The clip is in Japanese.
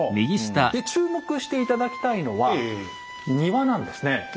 で注目して頂きたいのは庭なんですね。